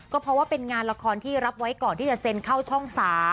ก็เพราะว่าเป็นงานละครที่รับไว้ก่อนที่จะเซ็นเข้าช่อง๓